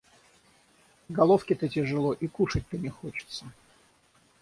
И головке-то тяжело, и кушать-то не хочется.